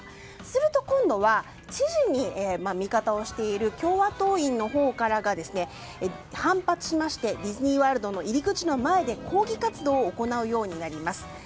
すると今度は知事に味方をしている共和党員が反発しましてディズニーワールドの入り口前で抗議活動を行うようになります。